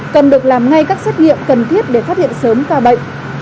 cần được làm ngay các xét nghiệm cần thiết để phát hiện sớm ca bệnh